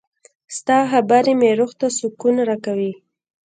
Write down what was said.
• ستا خبرې مې روح ته سکون راکوي.